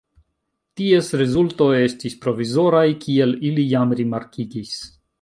Ties rezultoj estis provizoraj, kiel ili jam rimarkigis.